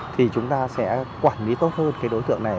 thì chúng ta sẽ quản lý tốt hơn cái đối tượng này